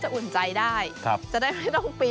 คุณชนะน่าจะอุ่นใจได้